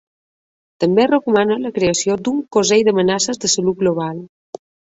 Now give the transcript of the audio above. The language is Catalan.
També recomana la creació d’un “consell d’amenaces de salut global”.